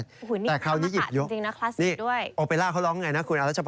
โอ้โหนี่ความตะจริงเนี่ยคลาสสิกฮุนี่โอเปรร่าเขาร้องไงนะคุณอรัชปรณ์